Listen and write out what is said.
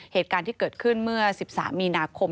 เหตุการณ์ที่เกิดขึ้นเมื่อ๑๓มีนาคม